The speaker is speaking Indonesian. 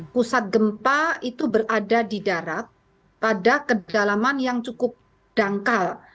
pusat gempa itu berada di darat pada kedalaman yang cukup dangkal